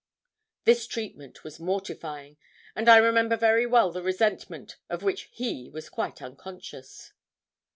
This treatment was mortifying, and I remember very well the resentment of which he was quite unconscious.